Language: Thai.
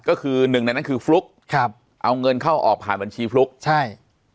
ก็คือหนึ่งในนั้นคือฟลุ๊กครับเอาเงินเข้าออกผ่านบัญชีฟลุ๊กใช่